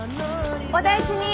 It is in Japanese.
お大事に！